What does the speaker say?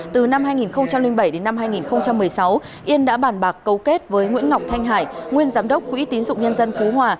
từ năm hai nghìn bảy đến năm hai nghìn một mươi sáu yên đã bàn bạc cấu kết với nguyễn ngọc thanh hải nguyên giám đốc quỹ tín dụng nhân dân phú hòa